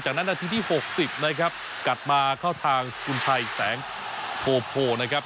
จากนั้นนาทีที่๖๐นะครับสกัดมาเข้าทางสกุลชัยแสงโพโพนะครับ